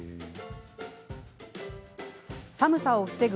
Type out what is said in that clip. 寒さを防ぐ